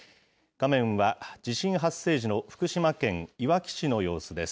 画面は地震発生時の福島県いわき市の様子です。